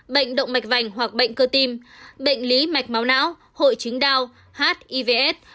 bệnh động mạch vành hoặc bệnh cơ tim bệnh lý mạch máu não hội chính đau hivs